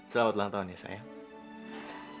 selamat ulang tahun ya sayang